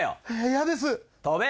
嫌です！